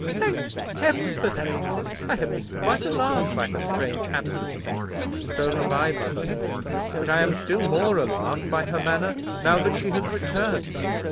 "Thank Heaven for that! I have been quite alarmed by her strange absence." "So have I, mother; but I am still more alarmed by her manner, now that she has returned.